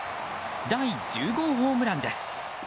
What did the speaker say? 第１０号ホームランです。